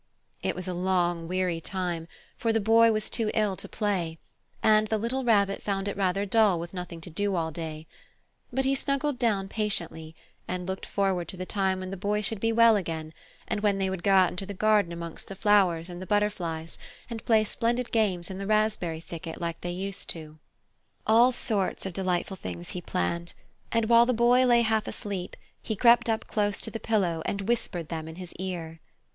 It was a long weary time, for the Boy was too ill to play, and the little Rabbit found it rather dull with nothing to do all day long. But he snuggled down patiently, and looked forward to the time when the Boy should be well again, and they would go out in the garden amongst the flowers and the butterflies and play splendid games in the raspberry thicket like they used to. All sorts of delightful things he planned, and while the Boy lay half asleep he crept up close to the pillow and whispered them in his ear.